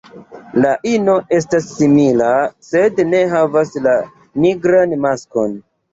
La ino estas simila, sed ne havas la nigran maskon.